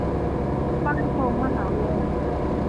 บ้านคลองมหาวงก์